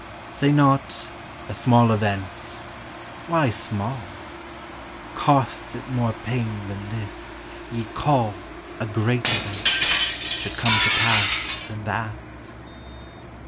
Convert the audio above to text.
Say not "a small event"! Why "small"? Costs it more pain than this, ye call A "great event," should come to pass, Than that?